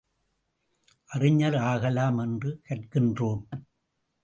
அறிஞர் ஆகலாம் என்று கற்கின்றோம்.